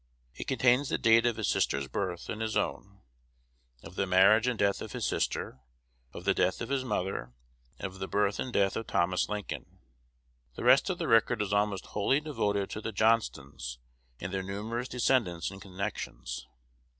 It contains the date of his sister's birth and his own; of the marriage and death of his sister; of the death of his mother; and of the birth and death of Thomas Lincoln. The rest of the record is almost wholly devoted to the Johnstons and their numerous descendants and connections.